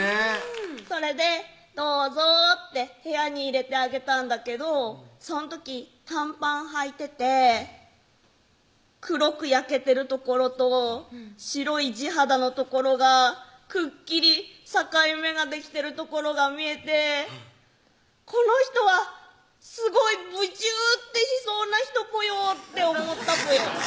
うんそれで「どうぞ」って部屋に入れてあげたんだけどその時短パンはいてて黒く焼けてる所と白い地肌の所がくっきり境目ができてる所が見えてこの人はすごいブチューッてしそうな人ぽよって思ったぽよ